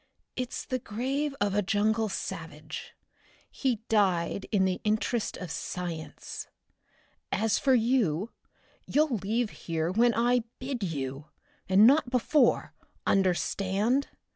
"It's the grave of a jungle savage. He died in the interest of science. As for you, you'll leave here when I bid you, and not before, understand?